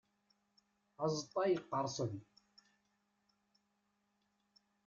Azeṭṭa yeqqerṣen.